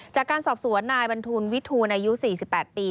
จากการสอบสวนนายบรรทูลวิทูลอายุ๔๘ปี